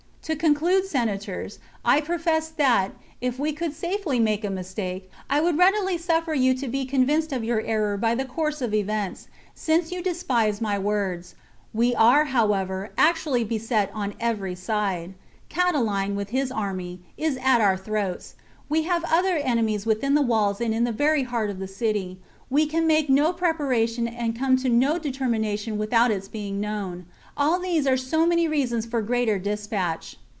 To conclude. Senators, I profess that, if we could safely make a mistake, I would readily suffer you to be convinced of your error by the course of events, since you despise my words. We are, however, actu ally beset on every side. Catiline, with his army, is at our throats; we have other enemies within the walls and in the very heart of the city ; we can make no preparation and come to no determination without its being known ; all these are so many reasons for greater despatch.